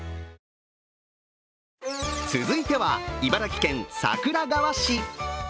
続いては、茨城県桜川市。